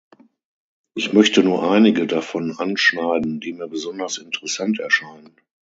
Ich möchte nur einige davon anschneiden, die mir besonders interessant erscheinen.